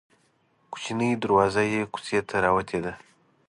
کوچنۍ دروازه یې کوڅې ته راوتې ده.